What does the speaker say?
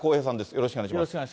よろしくお願いします。